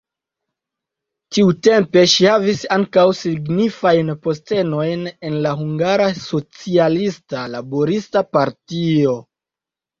Tiutempe ŝi havis ankaŭ signifajn postenojn en la Hungara Socialista Laborista Partio.